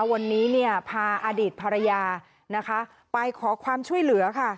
วันนี้เนี่ยพาอดีตภรรยานะคะไปขอความช่วยเหลือค่ะ